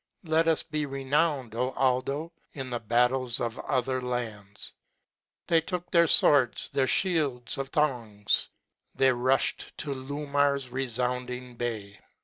Let us be renowned, O Aldo, in the battles of other lands !" They took their fwords, their fhields of thongs. They rulhed to Lumar's refounding bay.